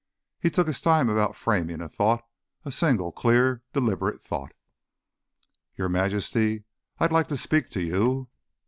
He took his time about framing a thought, a single, clear, deliberate thought: _Your Majesty, I'd like to speak to you.